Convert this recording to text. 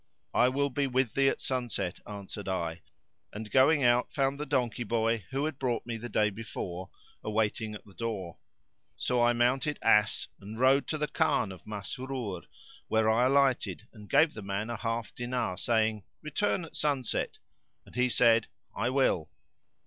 "I will be with thee at sunset," answered I, and going out found the donkey boy, who had brought me the day before, awaiting at the door. So I mounted ass and rode to the Khan of Masrur where I alighted and gave the man a half dinar, saying, "Return at sunset;" and he said "I will."